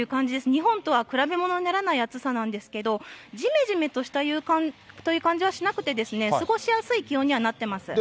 日本とは比べものにならない暑さなんですけど、じめじめしたという感じはしなくてですね、過ごしやすい気温にはなってます。